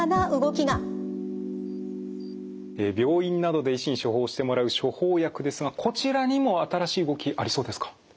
病院などで医師に処方してもらう処方薬ですがこちらにも新しい動きありそうですか？